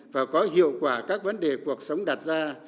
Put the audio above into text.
và có hiệu quả các vấn đề cuộc sống đặt ra